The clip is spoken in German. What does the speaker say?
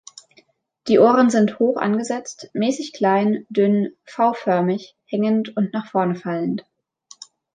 Die Ohren sind hoch angesetzt, mäßig klein, dünn, V-förmig, hängend und nach vorne fallend.